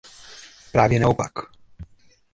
Právě naopak!